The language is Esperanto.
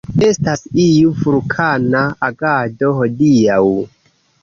Estas iu vulkana agado hodiaŭ.